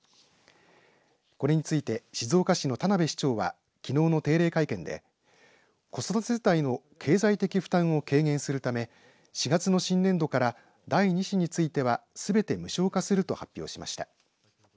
これについて静岡市の田辺市長はきのうの定例会見で子育て世帯の経済的負担を軽減するため４月の新年度から第２子についてはすべて無償化すると発表しました。